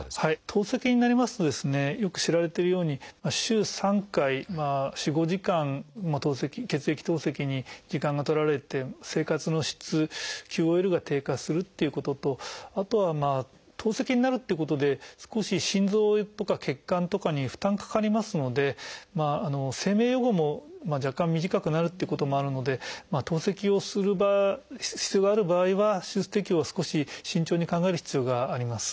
透析になりますとですねよく知られてるように週３回４５時間血液透析に時間が取られて生活の質ＱＯＬが低下するっていうこととあとは透析になるっていうことで少し心臓とか血管とかに負担かかりますので生命予後も若干短くなるっていうこともあるので透析をする必要がある場合は手術適応を少し慎重に考える必要があります。